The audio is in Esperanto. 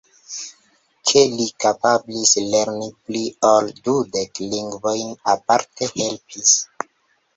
Ke li kapablis lerni pli ol dudek lingvojn aparte helpis.